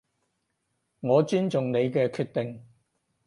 我尊重你嘅決定